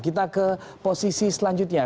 kita ke posisi selanjutnya